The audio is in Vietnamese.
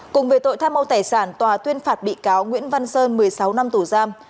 cùng về tội tham mâu tài sản tòa tuyên phạt bị cáo nguyễn văn sơn một mươi sáu năm tù giam